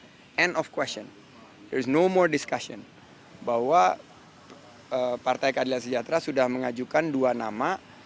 dan terakhir tidak ada lagi diskusi bahwa partai keadilan sejahtera sudah mengajukan dua nama